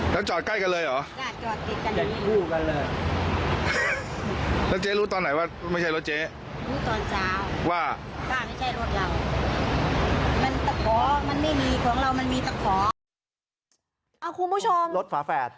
คุณผู้ชมรถฝาแฝด